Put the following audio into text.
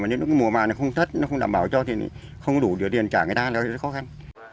nếu mùa mà không tất không đảm bảo cho thì không đủ tiền trả người ta là khó khăn